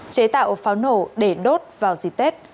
chế tạo pháo nổ để đốt vào dịp tết